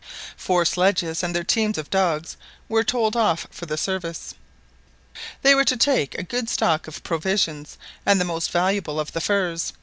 Four sledges and their teams of dogs were told off for the service. They were to take a good stock of provisions, and the most valuable of the furs.